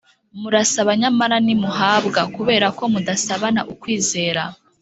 Murasaba nyamara ntimuhabwa kubera ko mudasabana ukwizera